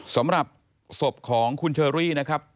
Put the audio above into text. สำหรับศพของคุณเชอรี่นะครับ